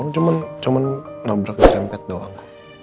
lo cuma nabrak ke serempet doang